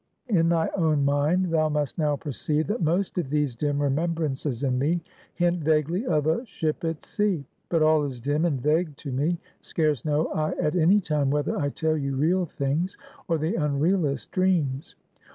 "In thy own mind, thou must now perceive, that most of these dim remembrances in me, hint vaguely of a ship at sea. But all is dim and vague to me. Scarce know I at any time whether I tell you real things, or the unrealest dreams.